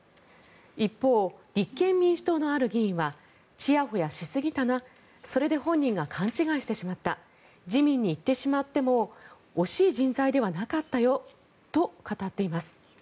一方、立憲民主党のある議員はちやほやしすぎたなそれで本人が勘違いしてしまった自民に行ってしまっても惜しい人材ではなかったよと語っています。